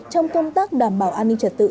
trong công tác đảm bảo an ninh trật tự